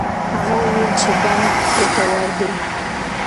هغه وویل چې بند ګټور دی.